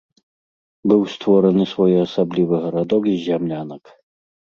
Быў створаны своеасаблівы гарадок з зямлянак.